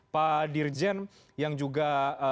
pak dirjen yang juga